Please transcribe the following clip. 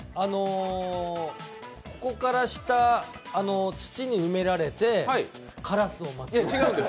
ここから下、土に埋められてカラスを待つ？